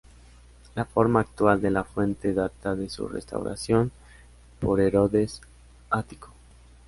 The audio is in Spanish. La forma actual de la fuente data de su restauración por Herodes Ático.